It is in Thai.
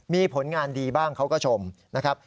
มีผลงานดีบ้างเขาก็ชมนะครับ